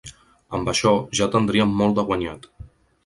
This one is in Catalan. Amb això ja tendríem molt de guanyat.